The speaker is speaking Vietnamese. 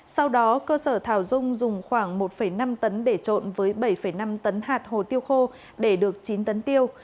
sau đó cơ sở thảo dung dùng khoảng một năm tấn để trộn với bảy năm tấn hạt hồ tiêu khô để được chín tấn tiêu